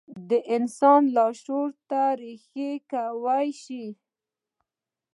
د انسان لاشعور ته رېښې کولای شي.